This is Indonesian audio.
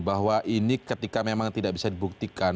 bahwa ini ketika memang tidak bisa dibuktikan